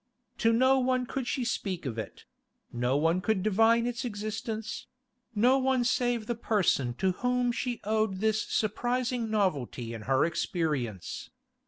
To no one could she speak of it; no one could divine its existence—no one save the person to whom she owed this surprising novelty in her experience.